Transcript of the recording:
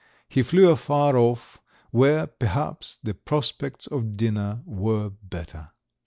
He flew afar off, where, perhaps, the prospects of dinner were better.